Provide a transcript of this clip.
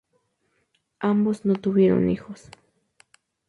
Ambos no tuvieron hijos.